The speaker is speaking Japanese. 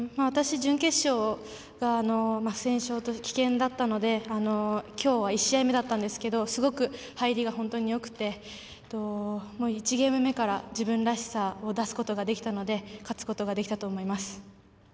私、準決勝が不戦勝棄権だったのできょう１試合目だったんですけどすごく入りがよくて１ゲーム目から自分らしさを出すことができたので勝つことができたと思います。